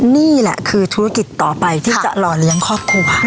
นี่แหละคือธุรกิจต่อไปที่จะหล่อเลี้ยงครอบครัว